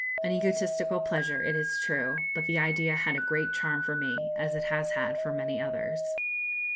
an egotistical pleasure, it is true; but the idea had a great charm for me, as it has had for many others."